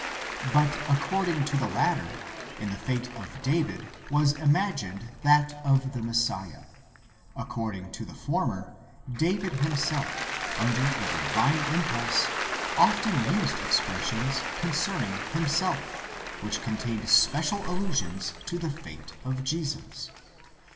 But according to the latter, in the fate of David was imaged that of the Messiah; according to the former, David himself, under a divine impulse often used expressions concerning himself, which contained special allusions to the fate of Jesus.